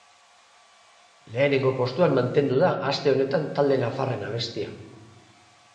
Lehenengo postuan mantendu da aste honetan talde nafarraren abestia.